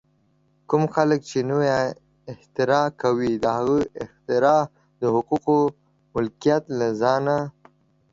کوم خلک چې نوې اختراع کوي، د هغې اختراع د حقوقو ملکیت له ځان